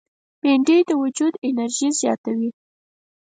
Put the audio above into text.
بېنډۍ د وجود انرژي زیاتوي